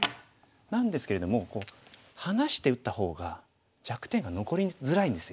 なんですけれども離して打った方が弱点が残りづらいんですよ。